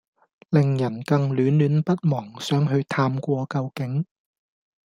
令人更戀戀不忘，想去探過究竟！